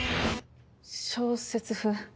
小説風。